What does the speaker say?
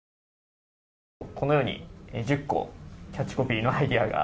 このように１０個キャッチコピーのアイデアが。